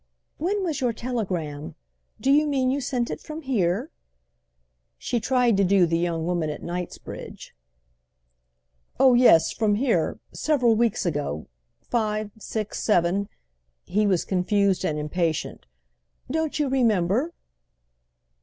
"When was your telegram? Do you mean you sent it from here?" She tried to do the young woman at Knightsbridge. "Oh yes, from here—several weeks ago. Five, six, seven"—he was confused and impatient—"don't you remember?"